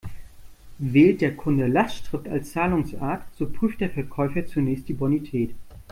Wählt der Kunde Lastschrift als Zahlungsart, so prüft der Verkäufer zunächst die Bonität.